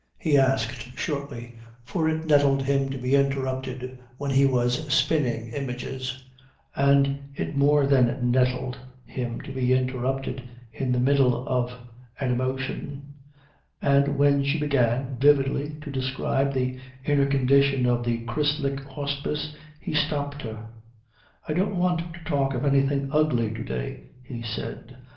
he asked shortly, for it nettled him to be interrupted when he was spinning images, and it more than nettled him to be interrupted in the middle of an emotion. But when she began vividly to describe the inner condition of the Christliche Hospiz he stopped her. "I don't want to talk of anything ugly to day," he said.